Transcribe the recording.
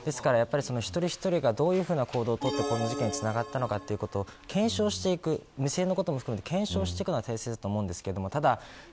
ですから一人一人がどういう行動をとってこの事件につながったとかということを無線のことも含めて検証していくのが大切だと思います。